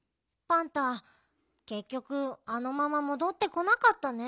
パンタけっきょくあのままもどってこなかったね。